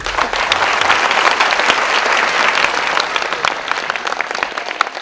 สุดท้าย